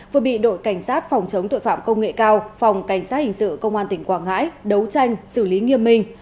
vừa bị đội cảnh sát phòng chống tội phạm công nghệ cao phòng cảnh sát hình sự công an tỉnh quảng ngãi đấu tranh xử lý nghiêm minh